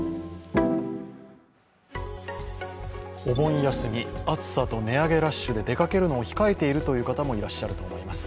お盆休み、暑さと値上げラッシュで出かけるのを控えている方もいらっしゃると思います。